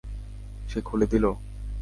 সে খুলে দিলো?